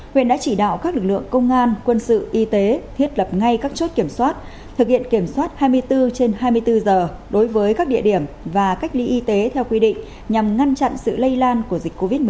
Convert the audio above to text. huyện đã chỉ đạo các lực lượng công an quân sự y tế thiết lập ngay các chốt kiểm soát thực hiện kiểm soát hai mươi bốn trên hai mươi bốn giờ đối với các địa điểm và cách ly y tế theo quy định nhằm ngăn chặn sự lây lan của dịch covid một mươi chín